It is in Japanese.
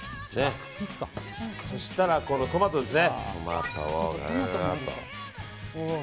そしたらこのトマトですね。